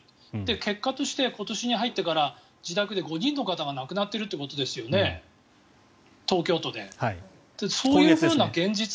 結果として今年に入ってから自宅で５人の方が亡くなっているということですよね東京都で。